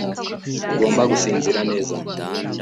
ugomba gusinzira neza